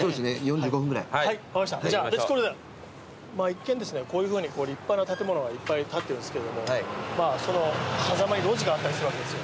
一見ですねこういうふうに立派な建物がいっぱい立ってるんですけれどもそのはざまに路地があったりするわけですよ。